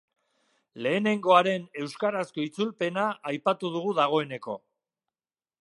Lehenengoaren euskarazko itzulpena aipatu dugu dagoeneko.